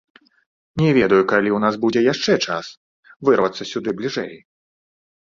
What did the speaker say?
Не ведаю, калі ў нас будзе яшчэ час, вырвацца сюды бліжэй.